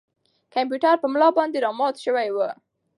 کمپیوټر په ملا باندې را مات شوی و.